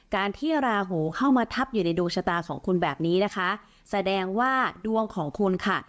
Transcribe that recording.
การที่ราหูเข้ามาทับอยู่ในดวงชะตาของคุณแบบนี้นะคะแสดงว่าดวงของคุณค่ะ